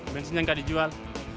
bensinnya gak dijual